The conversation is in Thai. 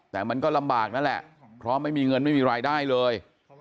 แต่มันก็ลำบากนั่นแหละเพราะไม่มีเงินไม่มีรายได้เลย